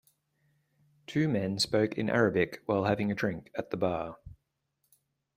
Two men spoke in Arabic while having a drink at the bar.